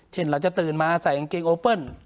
เช่นเราจะตื่นมาใส่อังเกงโอเปิล